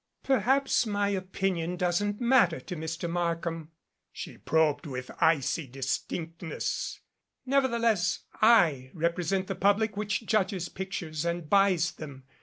"Perhaps my opinion doesn't matter to Mr. Mark ham," she probed with icy distinctness. "Nevertheless, I represent the public which judges pictures and buys them.